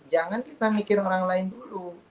jangan kita mikir orang lain dulu